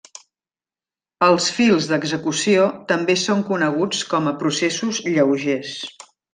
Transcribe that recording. Els fils d'execució, també són coneguts com a processos lleugers.